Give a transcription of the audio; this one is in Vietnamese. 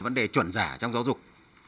vấn đề chuẩn giả trong giáo dục